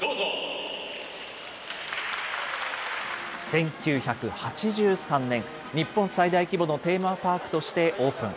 １９８３年、日本最大規模のテーマパークとしてオープン。